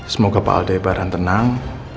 semoga pak aldebaran tenang